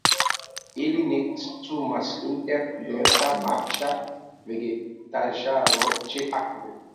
Ili nestumas inter densa marĉa vegetaĵaro ĉe akvo.